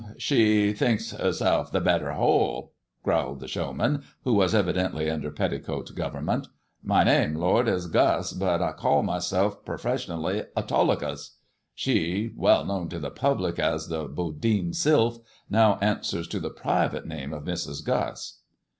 She thinks *erself the better whole," growled the showman, who was evidently under petticoat govern ment. "My name, lord, is Guss; but I call myself per fessionally Autolycus. She, well known to the public, as the Boundin* Sylph, now answers to the private name of Mrs. Guss."